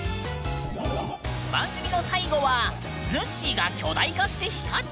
番組の最後はぬっしーが巨大化して光っちゃう？